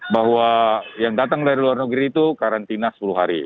bahwa yang datang dari luar negeri itu karantina sepuluh hari